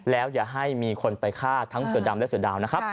แล้วอย่าให้มีคนไปฆ่าทั้งเสือดำและเสือดาวนะครับ